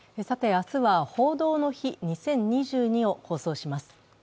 明日は「報道の日２０２２」を放送します。